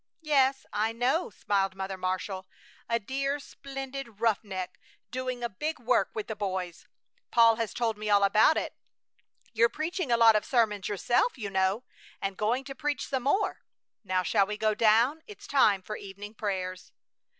"Yes, I know," smiled Mother Marshall. "A dear, splendid roughneck, doing a big work with the boys! Paul has told me all about it. You're preaching a lot of sermons yourself, you know, and going to preach some more. Now shall we go down? It's time for evening prayers."